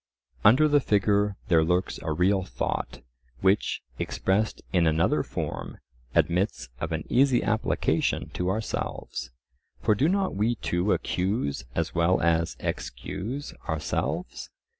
Under the figure there lurks a real thought, which, expressed in another form, admits of an easy application to ourselves. For do not we too accuse as well as excuse ourselves?